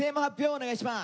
お願いします。